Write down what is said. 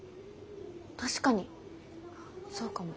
確かにそうかも。